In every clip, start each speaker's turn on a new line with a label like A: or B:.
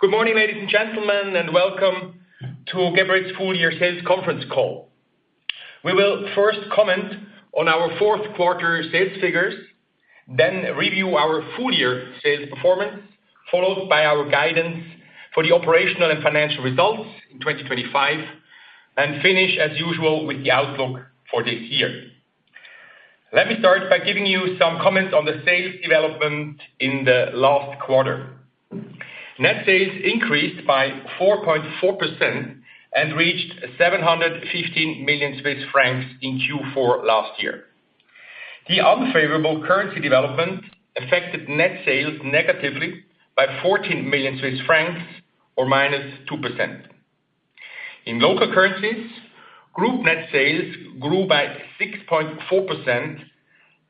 A: Good morning, ladies and gentlemen, and welcome to Geberit's full-year sales conference call. We will first comment on our fourth quarter sales figures, then review our full-year sales performance, followed by our guidance for the operational and financial results in 2025, and finish, as usual, with the outlook for this year. Let me start by giving you some comments on the sales development in the last quarter. Net sales increased by 4.4% and reached 715 million Swiss francs in Q4 last year. The unfavorable currency development affected net sales negatively by 14 million Swiss francs, or -2%. In local currencies, group net sales grew by 6.4%,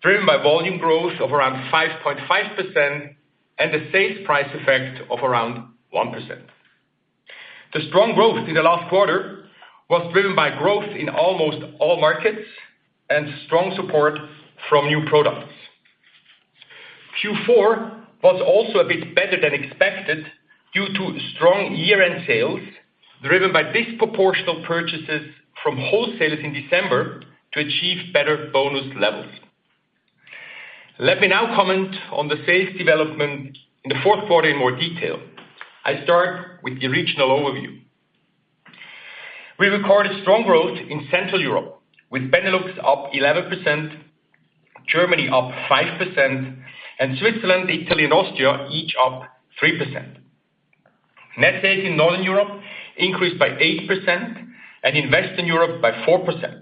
A: driven by volume growth of around 5.5% and the sales price effect of around 1%. The strong growth in the last quarter was driven by growth in almost all markets and strong support from new products. Q4 was also a bit better than expected due to strong year-end sales, driven by disproportional purchases from wholesalers in December to achieve better bonus levels. Let me now comment on the sales development in the fourth quarter in more detail. I'll start with the regional overview. We recorded strong growth in Central Europe, with Benelux up 11%, Germany up 5%, and Switzerland, Italy, and Austria each up 3%. Net sales in Northern Europe increased by 8% and in Western Europe by 4%.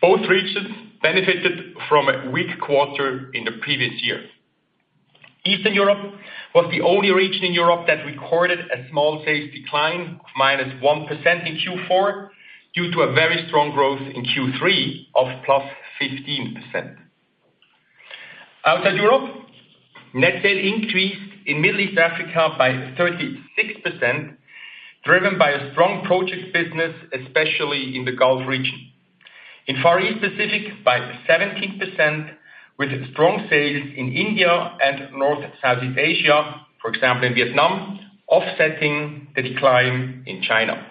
A: Both regions benefited from a weak quarter in the previous year. Eastern Europe was the only region in Europe that recorded a small sales decline, -1% in Q4, due to a very strong growth in Q3 of +15%. Outside Europe, net sales increased in Middle East Africa by 36%, driven by a strong project business, especially in the Gulf region. In Far East Pacific, by 17%, with strong sales in India and North and Southeast Asia, for example, in Vietnam, offsetting the decline in China.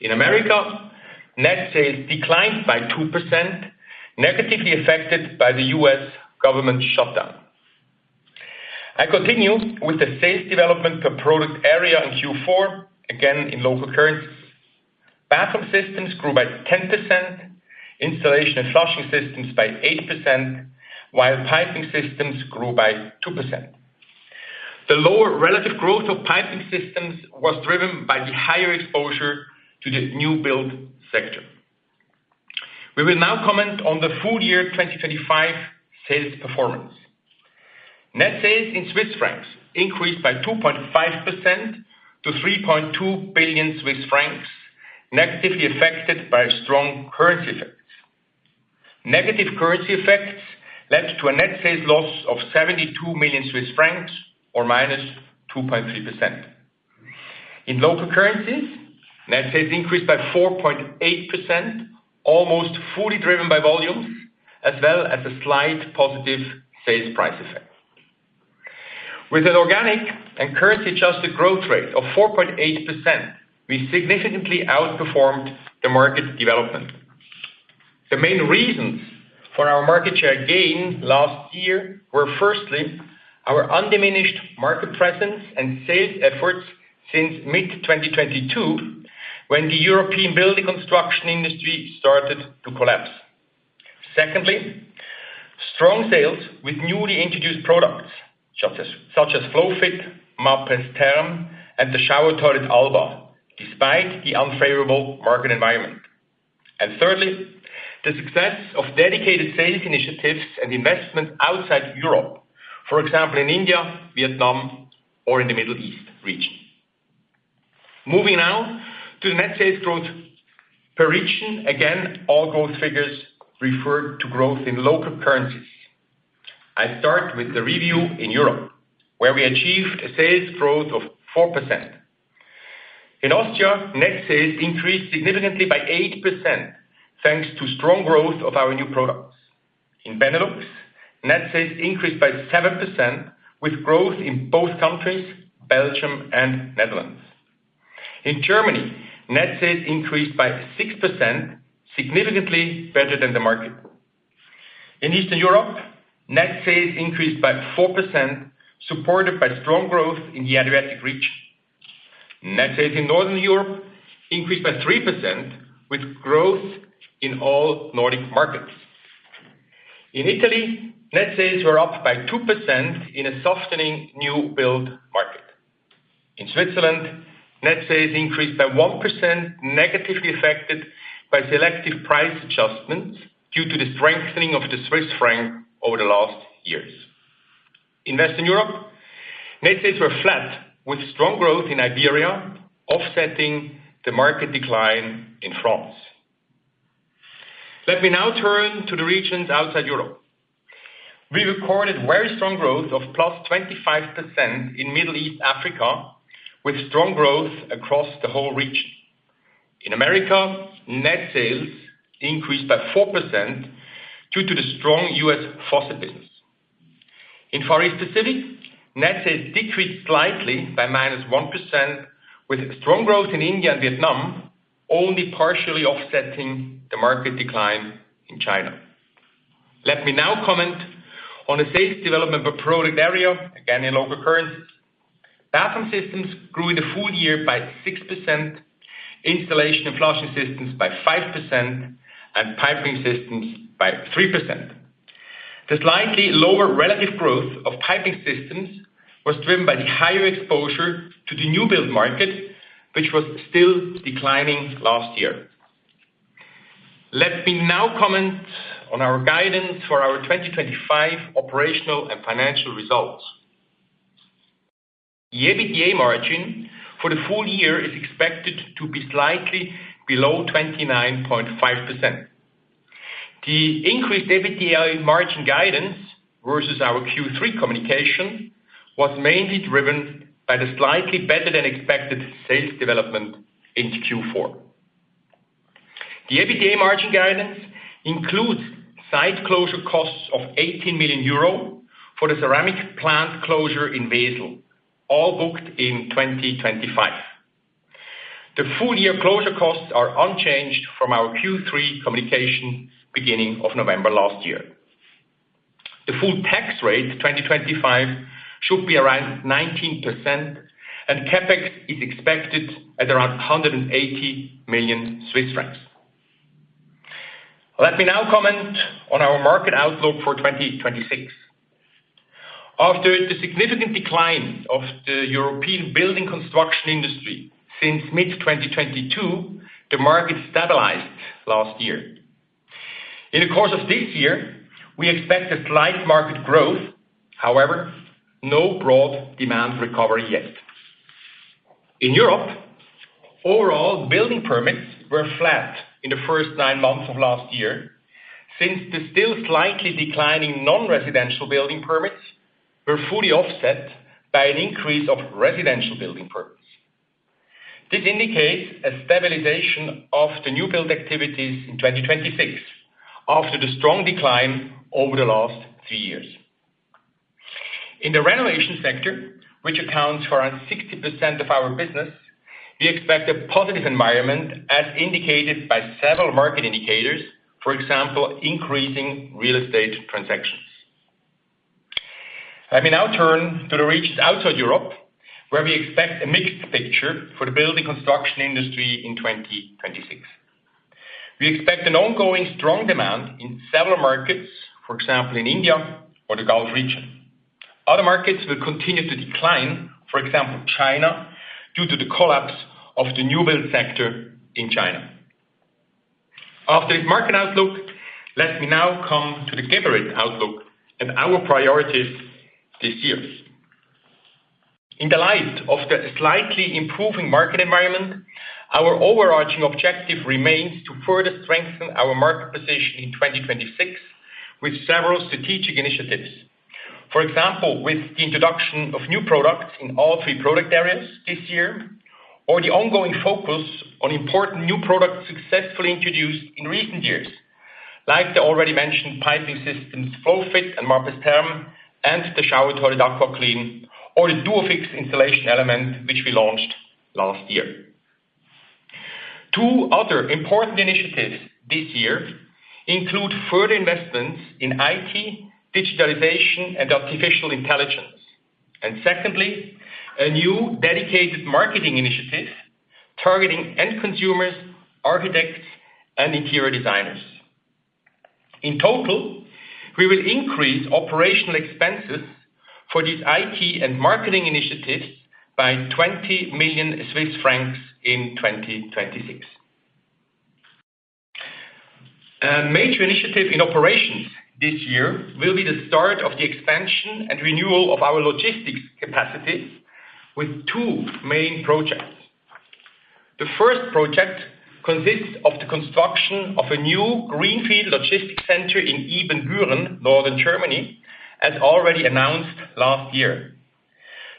A: In America, net sales declined by 2%, negatively affected by the U.S. government shutdown. I continue with the sales development per product area in Q4, again in local currencies. Bathroom systems grew by 10%, installation and flushing systems by 8%, while piping systems grew by 2%. The lower relative growth of piping systems was driven by the higher exposure to the new-build sector. We will now comment on the full-year 2025 sales performance. Net sales in Swiss francs increased by 2.5% to 3.2 billion Swiss francs, negatively affected by strong currency effects. Negative currency effects led to a net sales loss of 72 million Swiss francs, or -2.3%. In local currencies, net sales increased by 4.8%, almost fully driven by volumes, as well as a slight positive sales price effect. With an organic and currency-adjusted growth rate of 4.8%, we significantly outperformed the market development. The main reasons for our market share gain last year were, firstly, our undiminished market presence and sales efforts since mid-2022, when the European building construction industry started to collapse. Secondly, strong sales with newly introduced products such as FlowFit, Mapress Therm, and the shower toilet Alba, despite the unfavorable market environment, and thirdly, the success of dedicated sales initiatives and investment outside Europe, for example, in India, Vietnam, or in the Middle East region. Moving now to the net sales growth per region, again, all growth figures refer to growth in local currencies. I'll start with the review in Europe, where we achieved a sales growth of 4%. In Austria, net sales increased significantly by 8%, thanks to strong growth of our new products. In Benelux, net sales increased by 7%, with growth in both countries, Belgium and Netherlands. In Germany, net sales increased by 6%, significantly better than the market. In Eastern Europe, net sales increased by 4%, supported by strong growth in the Adriatic region. Net sales in Northern Europe increased by 3%, with growth in all Nordic markets. In Italy, net sales were up by 2% in a softening new-build market. In Switzerland, net sales increased by 1%, negatively affected by selective price adjustments due to the strengthening of the Swiss franc over the last years. In Western Europe, net sales were flat, with strong growth in Iberia, offsetting the market decline in France. Let me now turn to the regions outside Europe. We recorded very strong growth of 25% in Middle East Africa, with strong growth across the whole region. In America, net sales increased by 4% due to the strong U.S. faucet business. In Far East Pacific, net sales decreased slightly by -1%, with strong growth in India and Vietnam, only partially offsetting the market decline in China. Let me now comment on the sales development per product area, again in local currencies. Bathroom systems grew in the full year by 6%, installation and flushing systems by 5%, and piping systems by 3%. The slightly lower relative growth of piping systems was driven by the higher exposure to the new-build market, which was still declining last year. Let me now comment on our guidance for our 2025 operational and financial results. The EBITDA margin for the full year is expected to be slightly below 29.5%. The increased EBITDA margin guidance versus our Q3 communication was mainly driven by the slightly better-than-expected sales development in Q4. The EBITDA margin guidance includes site closure costs of 18 million euro for the ceramic plant closure in Wesel, all booked in 2025. The full-year closure costs are unchanged from our Q3 communication beginning of November last year. The full tax rate 2025 should be around 19%, and CapEx is expected at around 180 million Swiss francs. Let me now comment on our market outlook for 2026. After the significant decline of the European building construction industry since mid-2022, the market stabilized last year. In the course of this year, we expect a slight market growth; however, no broad demand recovery yet. In Europe, overall, building permits were flat in the first nine months of last year since the still slightly declining non-residential building permits were fully offset by an increase of residential building permits. This indicates a stabilization of the new-build activities in 2026 after the strong decline over the last three years. In the renovation sector, which accounts for around 60% of our business, we expect a positive environment, as indicated by several market indicators, for example, increasing real estate transactions. Let me now turn to the regions outside Europe, where we expect a mixed picture for the building construction industry in 2026. We expect an ongoing strong demand in several markets, for example, in India or the Gulf region. Other markets will continue to decline, for example, China due to the collapse of the new-build sector in China. After this market outlook, let me now come to the Geberit outlook and our priorities this year. In the light of the slightly improving market environment, our overarching objective remains to further strengthen our market position in 2026 with several strategic initiatives, for example, with the introduction of new products in all three product areas this year, or the ongoing focus on important new products successfully introduced in recent years, like the already mentioned piping systems FlowFit and Mapress Therm, and the shower toilet AquaClean, or the Duofix installation element, which we launched last year. Two other important initiatives this year include further investments in IT, digitalization, and artificial intelligence. And secondly, a new dedicated marketing initiative targeting end consumers, architects, and interior designers. In total, we will increase operational expenses for these IT and marketing initiatives by 20 million Swiss francs in 2026. A major initiative in operations this year will be the start of the expansion and renewal of our logistics capacity with two main projects. The first project consists of the construction of a new greenfield logistics center in Ibbenbüren, Northern Germany, as already announced last year.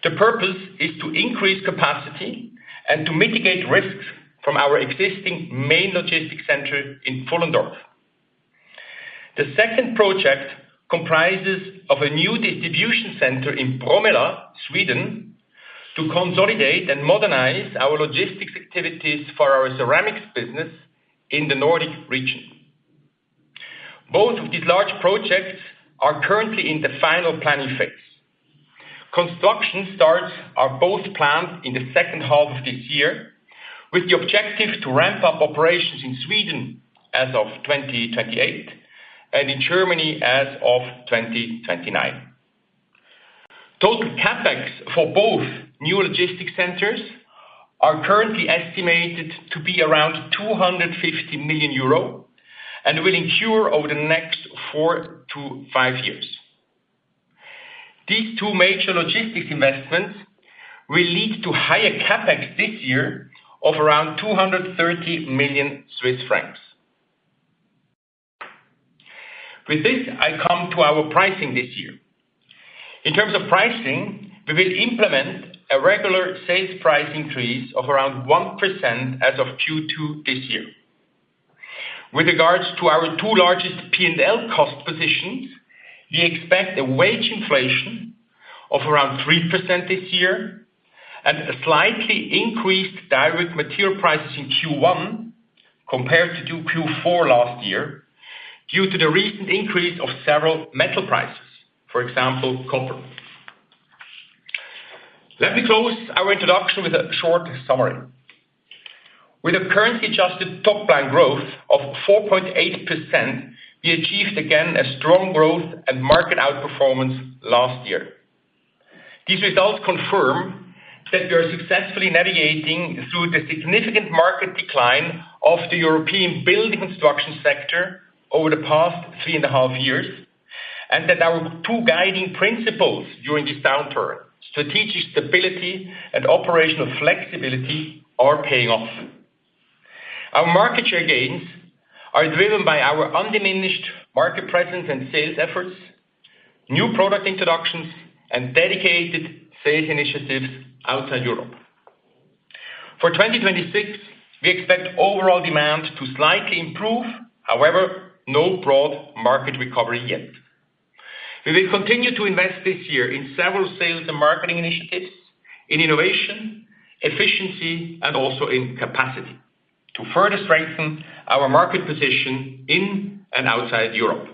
A: The purpose is to increase capacity and to mitigate risks from our existing main logistics center in Pfullendorf. The second project comprises of a new distribution center in Bromölla, Sweden, to consolidate and modernize our logistics activities for our ceramics business in the Nordic region. Both of these large projects are currently in the final planning phase. Construction starts are both planned in the second half of this year, with the objective to ramp up operations in Sweden as of 2028 and in Germany as of 2029. Total CapEx for both new logistics centers are currently estimated to be around 250 million euro and will incur over the next four to five years. These two major logistics investments will lead to higher CapEx this year of around 230 million Swiss francs. With this, I come to our pricing this year. In terms of pricing, we will implement a regular sales price increase of around 1% as of Q2 this year. With regards to our two largest P&L cost positions, we expect a wage inflation of around 3% this year and a slightly increased direct material prices in Q1 compared to Q4 last year due to the recent increase of several metal prices, for example, copper. Let me close our introduction with a short summary. With a currency-adjusted top-line growth of 4.8%, we achieved again a strong growth and market outperformance last year. These results confirm that we are successfully navigating through the significant market decline of the European building construction sector over the past three and a half years and that our two guiding principles during this downturn, strategic stability and operational flexibility, are paying off. Our market share gains are driven by our undiminished market presence and sales efforts, new product introductions, and dedicated sales initiatives outside Europe. For 2026, we expect overall demand to slightly improve. However, no broad market recovery yet. We will continue to invest this year in several sales and marketing initiatives, in innovation, efficiency, and also in capacity to further strengthen our market position in and outside Europe.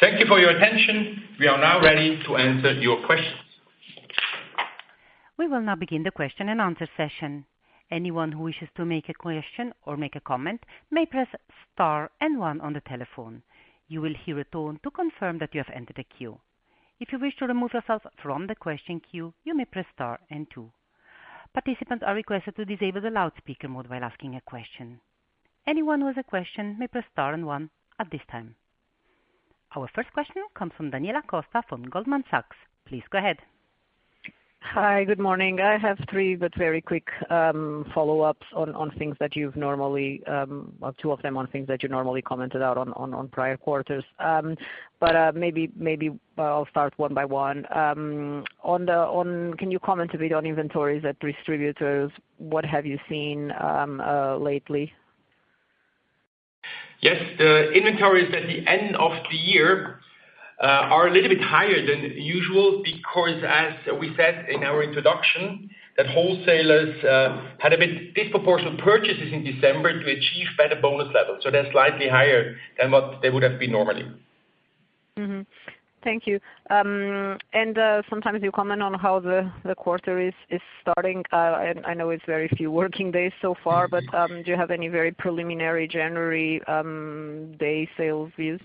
A: Thank you for your attention. We are now ready to answer your questions.
B: We will now begin the question and answer session. Anyone who wishes to make a question or make a comment may press star and one on the telephone. You will hear a tone to confirm that you have entered a queue. If you wish to remove yourself from the question queue, you may press star and two. Participants are requested to disable the loudspeaker mode while asking a question. Anyone who has a question may press star and one at this time. Our first question comes from Daniela Costa from Goldman Sachs. Please go ahead.
C: Hi, good morning. I have three, but very quick follow-ups on things that you've normally, well, two of them on things that you normally commented on in prior quarters. But maybe I'll start one by one. Can you comment a bit on inventories at distributors? What have you seen lately?
A: Yes. The inventories at the end of the year are a little bit higher than usual because, as we said in our introduction, the wholesalers had a bit disproportionate purchases in December to achieve better bonus levels. So they're slightly higher than what they would have been normally.
C: Thank you. And sometimes you comment on how the quarter is starting. I know it's very few working days so far, but do you have any very preliminary January daily sales views?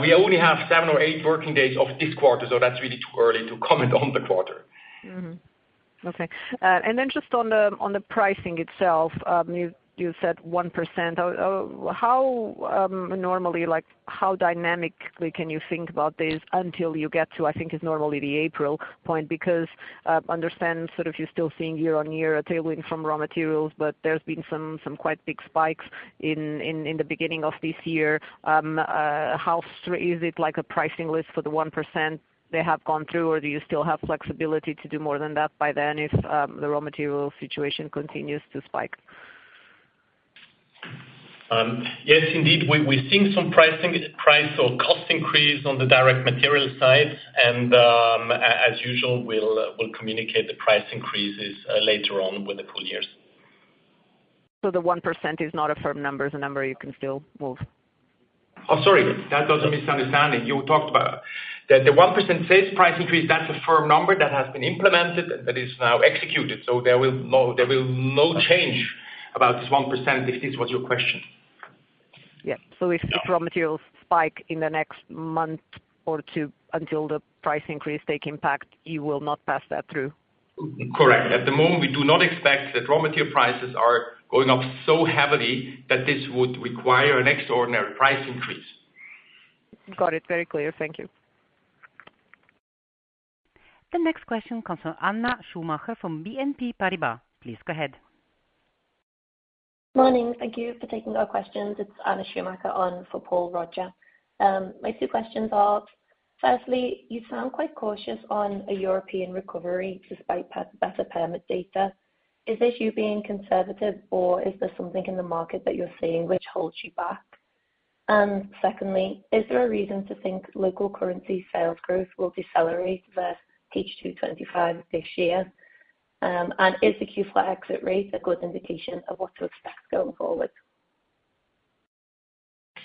A: We only have seven or eight working days of this quarter, so that's really too early to comment on the quarter.
C: Okay. And then just on the pricing itself, you said 1%. Normally, how dynamically can you think about this until you get to, I think it's normally the April point? Because I understand sort of you're still seeing year-on-year tailwinds from raw materials, but there's been some quite big spikes in the beginning of this year. How set is it like a pricing list for the 1% they have gone through, or do you still have flexibility to do more than that by then if the raw material situation continues to spike?
A: Yes, indeed. We've seen some price or cost increase on the direct material side, and as usual, we'll communicate the price increases later on with the full years.
C: So the 1% is not a firm number, a number you can still move?
A: Oh, sorry. That was a misunderstanding. You talked about the 1% sales price increase. That's a firm number that has been implemented and that is now executed. So there will be no change about this 1% if this was your question.
C: Yeah. So if the raw materials spike in the next month or two until the price increase takes impact, you will not pass that through?
A: Correct. At the moment, we do not expect that raw material prices are going up so heavily that this would require an extraordinary price increase.
C: Got it. Very clear. Thank you.
B: The next question comes from Anna Schumacher from BNP Paribas. Please go ahead.
D: Good morning. Thank you for taking our questions. It's Anna Schumacher on for Paul Roger. My two questions are, firstly, you sound quite cautious on a European recovery despite better permit data. Is this you being conservative, or is there something in the market that you're seeing which holds you back? And secondly, is there a reason to think local currency sales growth will decelerate versus H2 2025 this year? Is the Q4 exit rate a good indication of what to expect going forward?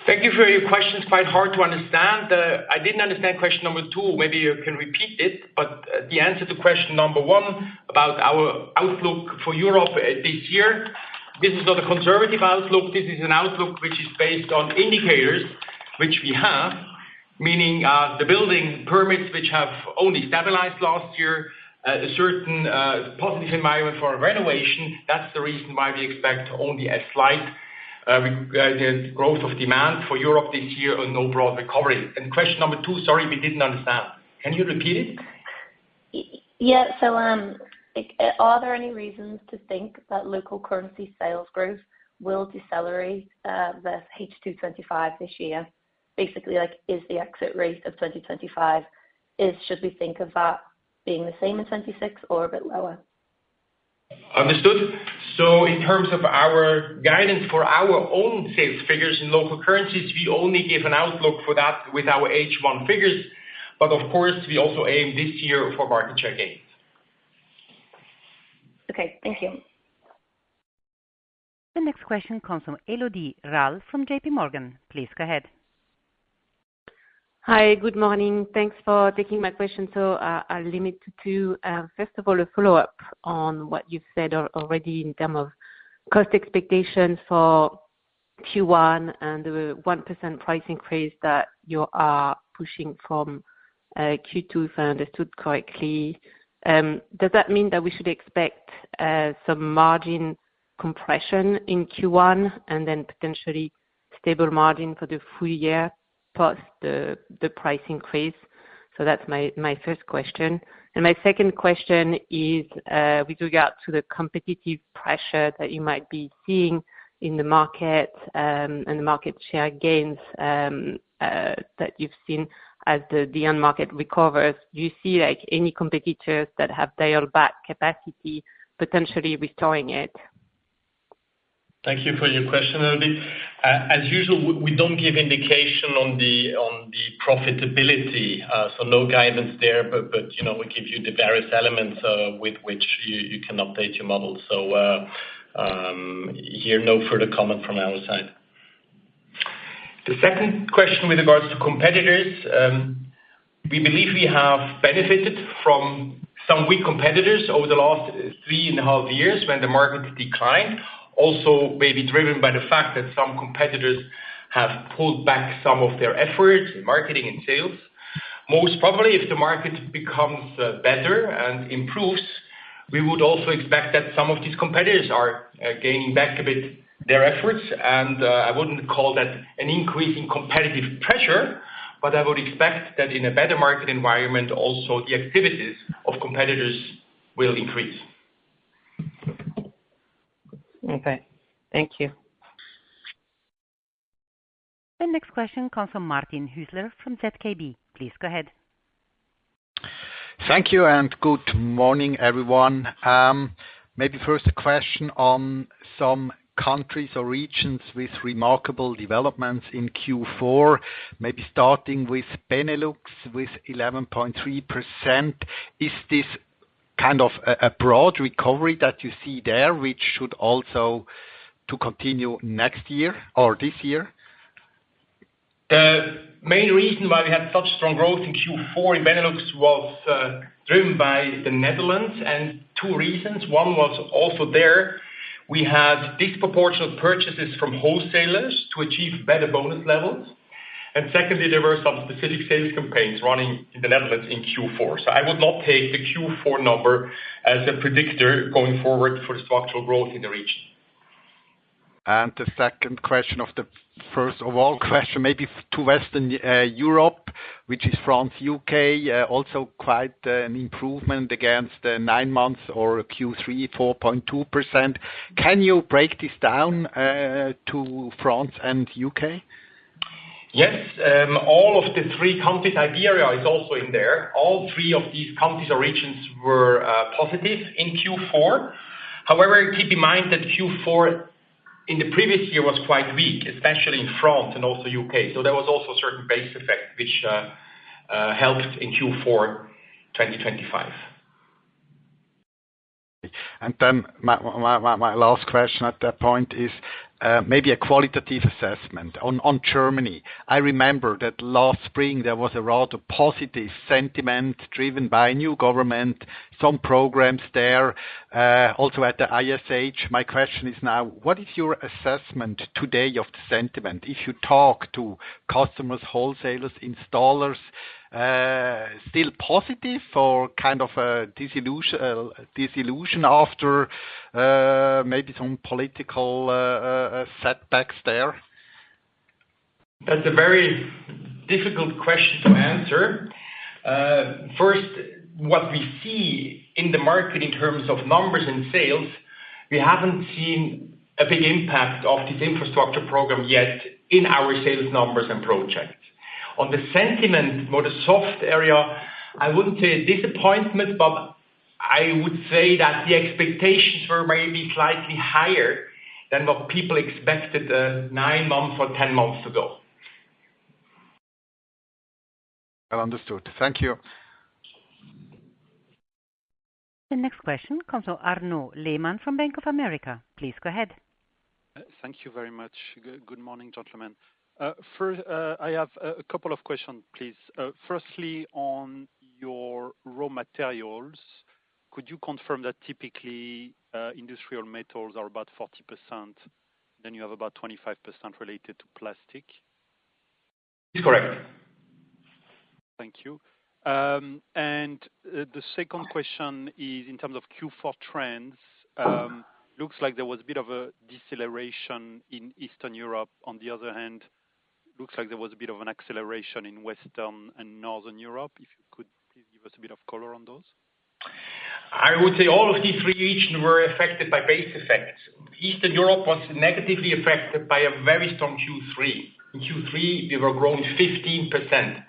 A: Thank you for your questions. Quite hard to understand. I didn't understand question number two. Maybe you can repeat it. But the answer to question number one about our outlook for Europe this year. This is not a conservative outlook. This is an outlook which is based on indicators which we have, meaning the building permits which have only stabilized last year, a certain positive environment for renovation. That's the reason why we expect only a slight growth of demand for Europe this year and no broad recovery. Question number two, sorry, we didn't understand. Can you repeat it?
D: Yeah. Are there any reasons to think that local currency sales growth will decelerate versus H2 2025 this year? Basically, is the exit rate of 2025, should we think of that being the same in 2026 or a bit lower?
A: Understood. So in terms of our guidance for our own sales figures in local currencies, we only give an outlook for that with our H1 figures. But of course, we also aim this year for market share gains.
D: Okay. Thank you.
B: The next question comes from Élodie Rall from JPMorgan. Please go ahead. Hi, good morning. Thanks for taking my question. So I'll limit to, first of all, a follow-up on what you've said already in terms of cost expectations for Q1 and the 1% price increase that you are pushing from Q2, if I understood correctly. Does that mean that we should expect some margin compression in Q1 and then potentially stable margin for the full year post the price increase? So that's my first question. My second question is with regard to the competitive pressure that you might be seeing in the market and the market share gains that you've seen as the end market recovers. Do you see any competitors that have dialed back capacity potentially restoring it?
A: Thank you for your question, Élodie. As usual, we don't give indication on the profitability, so no guidance there, but we give you the various elements with which you can update your model. So here, no further comment from our side. The second question with regards to competitors, we believe we have benefited from some weak competitors over the last three and a half years when the market declined, also maybe driven by the fact that some competitors have pulled back some of their efforts in marketing and sales. Most probably, if the market becomes better and improves, we would also expect that some of these competitors are gaining back a bit their efforts. And I wouldn't call that an increase in competitive pressure, but I would expect that in a better market environment, also the activities of competitors will increase. Okay. Thank you.
B: The next question comes from Martin Hüsler from ZKB. Please go ahead.
E: Thank you and good morning, everyone. Maybe first a question on some countries or regions with remarkable developments in Q4, maybe starting with Benelux with 11.3%. Is this kind of a broad recovery that you see there, which should also continue next year or this year? The main reason why we had such strong growth in Q4 in Benelux was driven by the Netherlands and two reasons. One was also there. We had disproportionate purchases from wholesalers to achieve better bonus levels. And secondly, there were some specific sales campaigns running in the Netherlands in Q4. So I would not take the Q4 number as a predictor going forward for the structural growth in the region. And the second question of the first of all question, maybe to Western Europe, which is France, U.K., also quite an improvement against nine months or Q3 4.2%. Can you break this down to France and U.K.?
A: Yes. All of the three countries, Iberia is also in there. All three of these countries or regions were positive in Q4. However, keep in mind that Q4 in the previous year was quite weak, especially in France and also U.K. So there was also a certain base effect which helped in Q4 2025.
E: And then my last question at that point is maybe a qualitative assessment on Germany. I remember that last spring, there was a rather positive sentiment driven by new government, some programs there, also at the ISH. My question is now, what is your assessment today of the sentiment? If you talk to customers, wholesalers, installers, still positive or kind of a disillusion after maybe some political setbacks there?
A: That's a very difficult question to answer. First, what we see in the market in terms of numbers and sales, we haven't seen a big impact of this infrastructure program yet in our sales numbers and projects. On the sentiment, more the soft area, I wouldn't say a disappointment, but I would say that the expectations were maybe slightly higher than what people expected nine months or 10 months ago.
E: Understood. Thank you.
B: The next question comes from Arnaud Lehmann from Bank of America. Please go ahead.
F: Thank you very much. Good morning, gentlemen. First, I have a couple of questions, please. Firstly, on your raw materials, could you confirm that typically industrial metals are about 40%, then you have about 25% related to plastic?
A: Correct.
F: Thank you. And the second question is in terms of Q4 trends. Looks like there was a bit of a deceleration in Eastern Europe. On the other hand, looks like there was a bit of an acceleration in Western and Northern Europe. If you could please give us a bit of color on those?
A: I would say all of these three regions were affected by base effects. Eastern Europe was negatively affected by a very strong Q3. In Q3, we were growing 15%.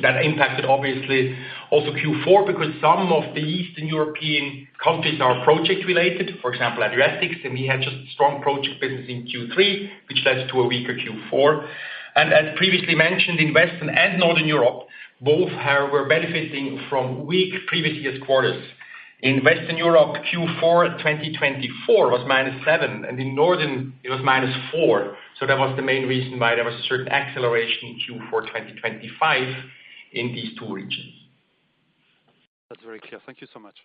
A: That impacted obviously also Q4 because some of the Eastern European countries are project-related, for example, Adriatics, and we had just strong project business in Q3, which led to a weaker Q4. As previously mentioned, in Western and Northern Europe, both were benefiting from weak previous year's quarters. In Western Europe, Q4 2024 was -7%, and in Northern, it was -4%. So that was the main reason why there was a certain acceleration in Q4 2025 in these two regions.
F: That's very clear. Thank you so much.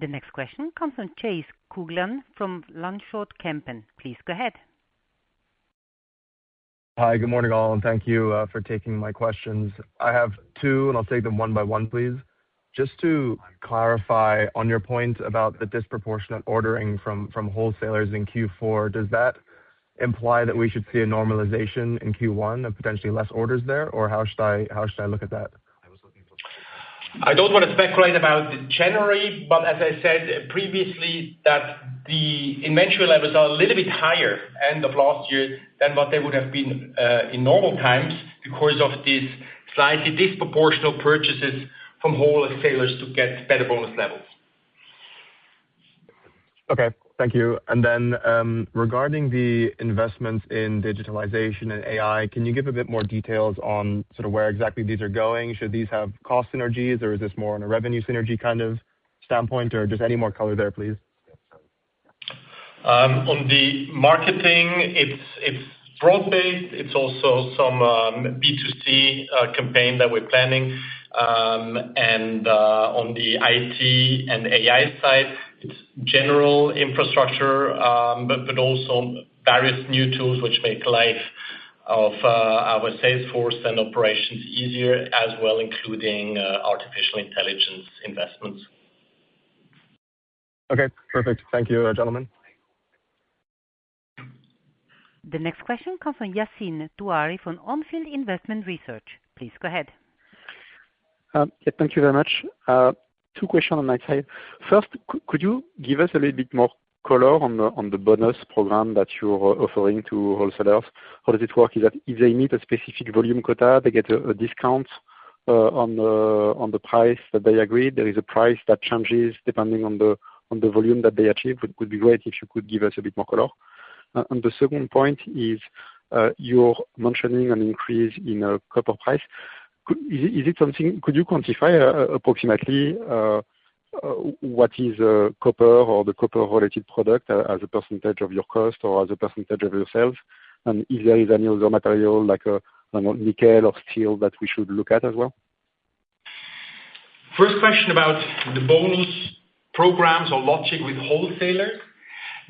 B: The next question comes from Chase Coughlan from Lanschot Kempen. Please go ahead.
G: Hi, good morning all, and thank you for taking my questions. I have two, and I'll take them one by one, please. Just to clarify on your point about the disproportionate ordering from wholesalers in Q4, does that imply that we should see a normalization in Q1 and potentially less orders there, or how should I look at that?
A: I don't want to speculate about the January, but as I said previously, that the inventory levels are a little bit higher end of last year than what they would have been in normal times because of these slightly disproportionate purchases from wholesalers to get better bonus levels.
G: Okay. Thank you. And then regarding the investments in digitalization and AI, can you give a bit more details on sort of where exactly these are going? Should these have cost synergies, or is this more on a revenue synergy kind of standpoint, or just any more color there, please?
A: On the marketing, it's broad-based. It's also some B2C campaign that we're planning. And on the IT and AI side, it's general infrastructure, but also various new tools which make life of our salesforce and operations easier as well, including artificial intelligence investments.
G: Okay. Perfect. Thank you, gentlemen.
B: The next question comes from Yassine Touahri from On Field Investment Research. Please go ahead.
H: Thank you very much. Two questions on my side. First, could you give us a little bit more color on the bonus program that you're offering to wholesalers? How does it work? Is that if they meet a specific volume quota, they get a discount on the price that they agreed? There is a price that changes depending on the volume that they achieve. It would be great if you could give us a bit more color. And the second point is you're mentioning an increase in copper price. Is it something? Could you quantify approximately what is copper or the copper-related product as a percentage of your cost or as a percentage of your sales? And if there is any other material like nickel or steel that we should look at as well?
A: First question about the bonus programs or logic with wholesalers.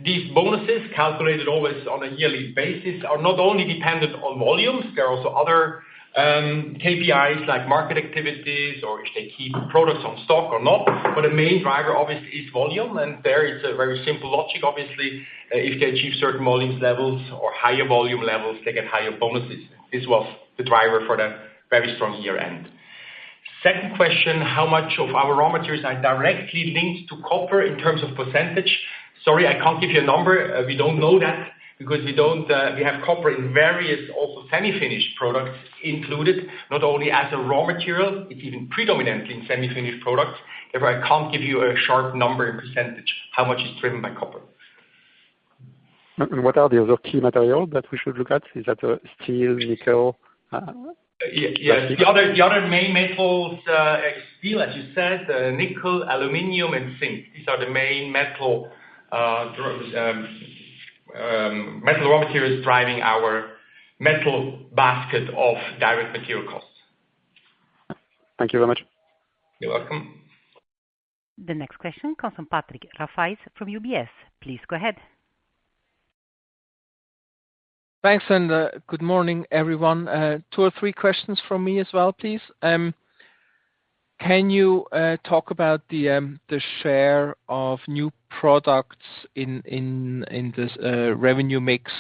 A: These bonuses, calculated always on a yearly basis, are not only dependent on volumes. There are also other KPIs like market activities or if they keep products on stock or not. But the main driver, obviously, is volume, and there it's a very simple logic, obviously. If they achieve certain volume levels or higher volume levels, they get higher bonuses. This was the driver for the very strong year-end. Second question, how much of our raw materials are directly linked to copper in terms of percentage? Sorry, I can't give you a number. We don't know that because we have copper in various, also semi-finished products included, not only as a raw material. It's even predominantly in semi-finished products. Therefore, I can't give you a sharp number in percentage how much is driven by copper.
H: What are the other key materials that we should look at? Is that steel, nickel?
A: Yes. The other main metals, steel, as you said, nickel, aluminum, and zinc. These are the main metal raw materials driving our metal basket of direct material costs.
H: Thank you very much.
A: You're welcome.
B: The next question comes from Patrick Rafaisz from UBS. Please go ahead.
I: Thanks, and good morning, everyone. Two or three questions from me as well, please. Can you talk about the share of new products in this revenue mix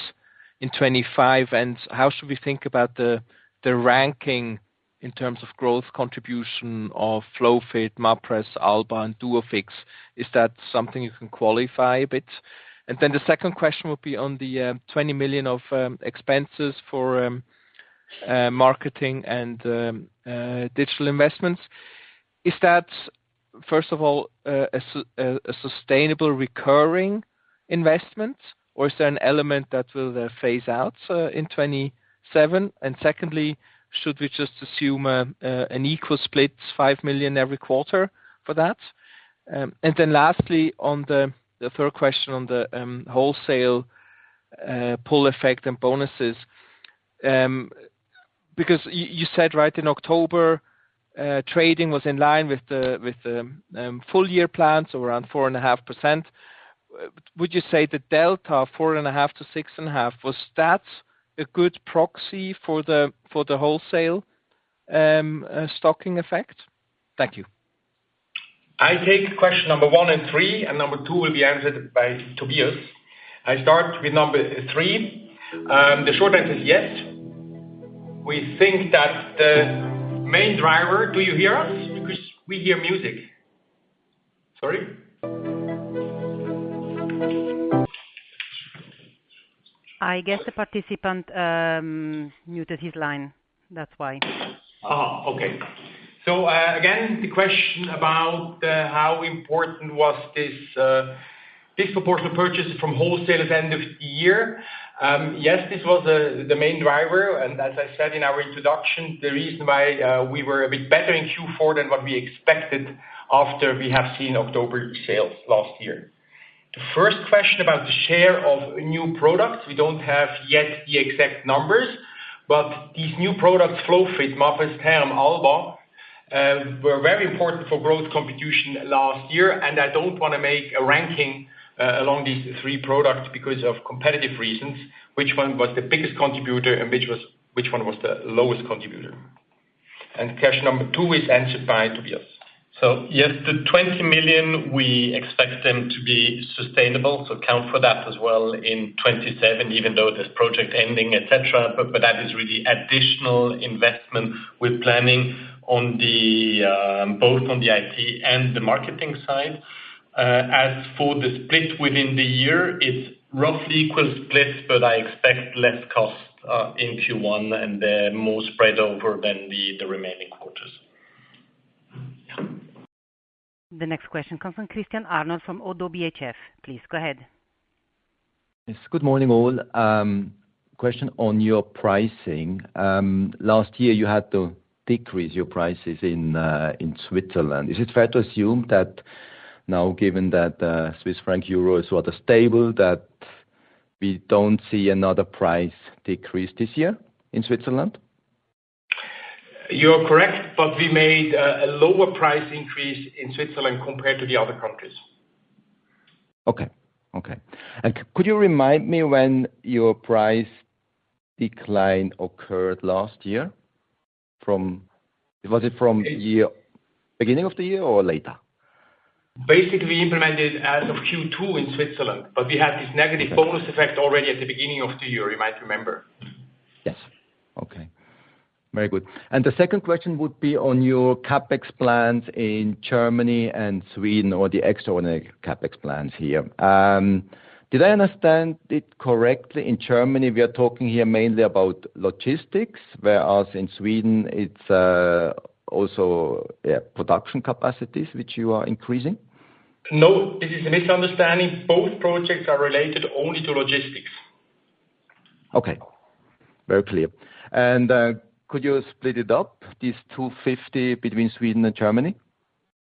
I: in 2025, and how should we think about the ranking in terms of growth contribution of FlowFit, Mapress, Alba, and Duofix? Is that something you can qualify a bit? And then the second question would be on the 20 million of expenses for marketing and digital investments. Is that, first of all, a sustainable recurring investment, or is there an element that will phase out in 2027? And secondly, should we just assume an equal split, 5 million every quarter for that? And then lastly, on the third question on the wholesale pull effect and bonuses, because you said right in October, trading was in line with the full-year plans of around 4.5%. Would you say the delta of 4.5%-6.5%, was that a good proxy for the wholesale stocking effect? Thank you.
A: I take question number one and three, and number two will be answered by Tobias. I start with number three. The short answer is yes. We think that the main driver, do you hear us? Because we hear music. Sorry?
B: I guess the participant muted his line. That's why.
A: Okay. So again, the question about how important was this disproportionate purchase from wholesalers end of the year? Yes, this was the main driver. And as I said in our introduction, the reason why we were a bit better in Q4 than what we expected after we have seen October sales last year. The first question about the share of new products, we don't have yet the exact numbers, but these new products, FlowFit, Mapress Therm, Alba, were very important for growth contribution last year. And I don't want to make a ranking along these three products because of competitive reasons. Which one was the biggest contributor, and which one was the lowest contributor? And question number two is answered by Tobias.
J: So yes, the 20 million, we expect them to be sustainable. So count for that as well in 2027, even though there's project ending, etc. But that is really additional investment we're planning both on the IT and the marketing side. As for the split within the year, it's roughly equal split, but I expect less cost in Q1, and they're more spread over than the remaining quarters.
B: The next question comes from Christian Arnold from ODDO BHF. Please go ahead.
K: Good morning, all. Question on your pricing. Last year, you had to decrease your prices in Switzerland. Is it fair to assume that now, given that Swiss franc, euro is rather stable, that we don't see another price decrease this year in Switzerland?
A: You're correct, but we made a lower price increase in Switzerland compared to the other countries.
K: Okay. Okay. And could you remind me when your price decline occurred last year? Was it from the beginning of the year or later?
A: Basically, we implemented it as of Q2 in Switzerland, but we had this negative bonus effect already at the beginning of the year, you might remember.
K: Yes. Okay. Very good. And the second question would be on your CapEx plans in Germany and Sweden or the extraordinary CapEx plans here. Did I understand it correctly? In Germany, we are talking here mainly about logistics, whereas in Sweden, it's also production capacities, which you are increasing?
A: No, this is a misunderstanding. Both projects are related only to logistics.
K: Okay. Very clear. And could you split it up, these 250 between Sweden and Germany?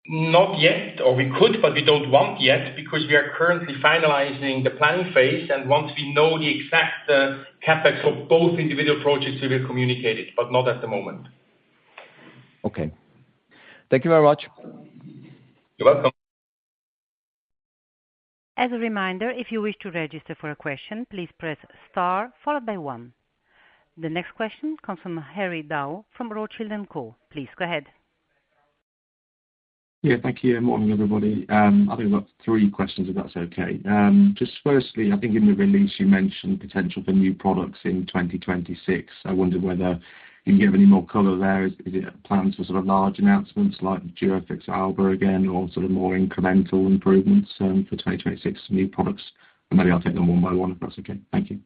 A: Not yet, or we could, but we don't want yet because we are currently finalizing the planning phase. And once we know the exact CapEx for both individual projects, we will communicate it, but not at the moment.
K: Okay. Thank you very much.
A: You're welcome.
B: As a reminder, if you wish to register for a question, please press star followed by one. The next question comes from Harry Dow from Rothschild & Co. Please go ahead.
L: Yeah. Thank you. Good morning, everybody. I think we've got three questions, if that's okay. Just firstly, I think in the release, you mentioned potential for new products in 2026. I wonder whether you can give any more color there. Is it planned for sort of large announcements like Duofix, Alba again, or sort of more incremental improvements for 2026 new products? And maybe I'll take them one by one if that's okay? Thank you.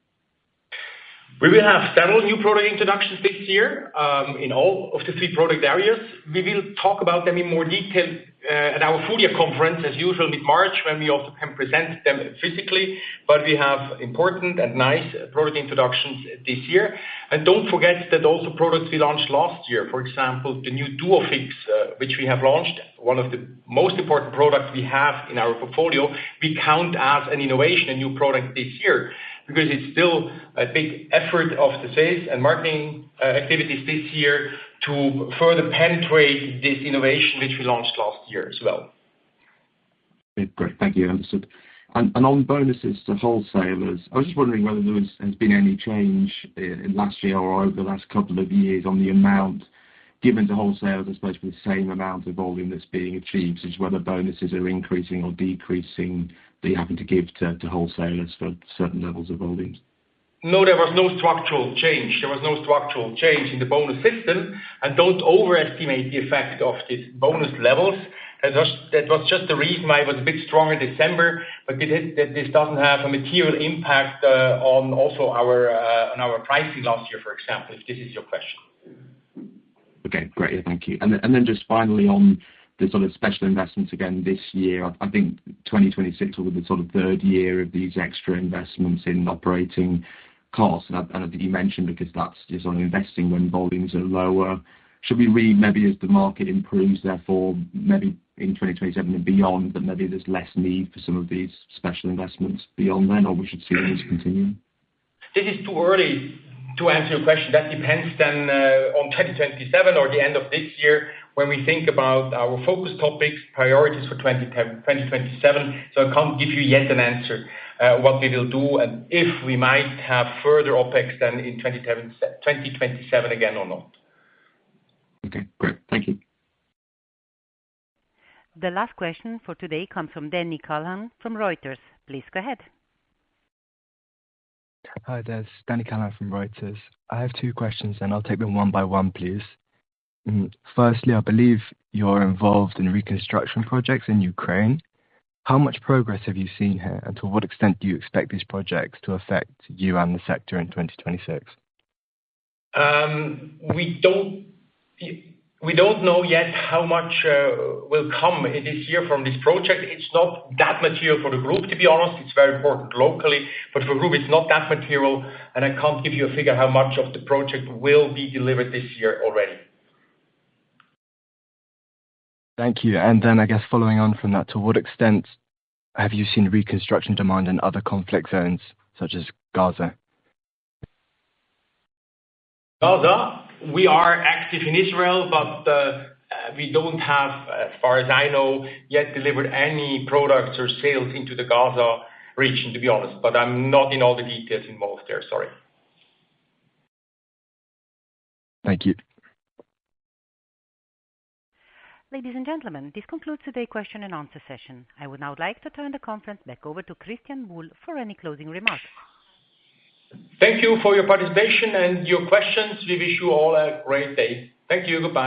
A: We will have several new product introductions this year in all of the three product areas. We will talk about them in more detail at our Full Year Conference, as usual, mid-March, when we also can present them physically. But we have important and nice product introductions this year. And don't forget that also products we launched last year, for example, the new Duofix, which we have launched, one of the most important products we have in our portfolio, we count as an innovation, a new product this year because it's still a big effort of the sales and marketing activities this year to further penetrate this innovation, which we launched last year as well.
L: Great. Thank you. Understood. And on bonuses to wholesalers, I was just wondering whether there has been any change last year or over the last couple of years on the amount given to wholesalers, especially the same amount of volume that's being achieved, which is whether bonuses are increasing or decreasing that you're having to give to wholesalers for certain levels of volumes.
A: No, there was no structural change. There was no structural change in the bonus system, and don't overestimate the effect of these bonus levels. That was just the reason why it was a bit stronger in December, but this doesn't have a material impact on also our pricing last year, for example, if this is your question.
L: Okay. Great. Thank you, and then just finally, on the sort of special investments again this year, I think 2026 will be the sort of third year of these extra investments in operating costs. And I think you mentioned because that's just on investing when volumes are lower. Should we read maybe as the market improves, therefore, maybe in 2027 and beyond, that maybe there's less need for some of these special investments beyond then, or we should see these continue?
A: This is too early to answer your question. That depends then on 2027 or the end of this year when we think about our focus topics, priorities for 2027. So I can't give you yet an answer what we will do and if we might have further OpEx than in 2027 again or not.
L: Okay. Great. Thank you.
B: The last question for today comes from Danny Kallan from Reuters. Please go ahead. Hi, this is Danny Kallan from Reuters. I have two questions, and I'll take them one by one, please. Firstly, I believe you're involved in reconstruction projects in Ukraine. How much progress have you seen here, and to what extent do you expect these projects to affect you and the sector in 2026?
A: We don't know yet how much will come this year from this project. It's not that material for the group, to be honest. It's very important locally. But for the group, it's not that material. And I can't give you a figure how much of the project will be delivered this year already. Thank you. And then I guess following on from that, to what extent have you seen reconstruction demand in other conflict zones such as Gaza? Gaza, we are active in Israel, but we don't have, as far as I know, yet delivered any products or sales into the Gaza region, to be honest. But I'm not in all the details involved there. Sorry. Thank you.
B: Ladies and gentlemen, this concludes today's question and answer session. I would now like to turn the conference back over to Christian Buhl for any closing remarks.
A: Thank you for your participation and your questions. We wish you all a great day. Thank you, everybody.